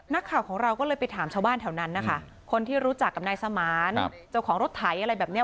นักข่าวของเราก็เลยไปถามชาวบ้านแถวนั้นนะคะคนที่รู้จักกับนายสมานเจ้าของรถไถอะไรแบบเนี้ย